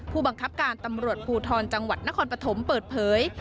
ผู้บังคับการตำรวจภูทรจังหวัดนครปฐมเปิดเผย